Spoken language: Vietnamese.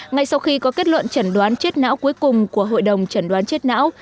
ngay sau khi có kết luận chẩn đoán chết não cuối cùng của hội đồng chẩn đoán chết não